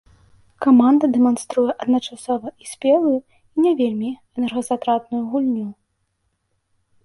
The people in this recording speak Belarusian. Каманда дэманструе адначасова і спелую, і не вельмі энергазатратную гульню.